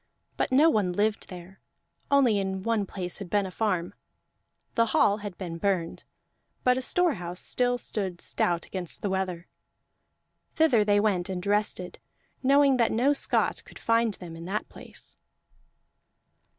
But no one lived there, only in one place had been a farm; the hall had been burned, but a storehouse still stood stout against the weather. Thither they went and rested, knowing that no Scot could find them in that place.